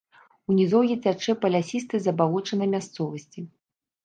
У нізоўі цячэ па лясістай забалочанай мясцовасці.